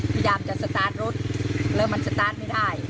พยายามจะสตาร์ทรถแล้วมันสตาร์ทไม่ได้